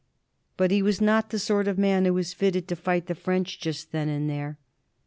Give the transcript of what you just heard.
But he was not the sort of man who was fitted to fight the French just then and there.